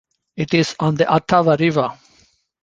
It is on the Ottawa River.